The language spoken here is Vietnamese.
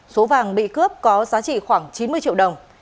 số vàng bị cướp có giá trị khoảng chín mươi triệu đồng